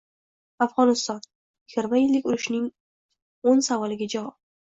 Afg‘oniston:yigirmayillik urushningo'nsavoliga javob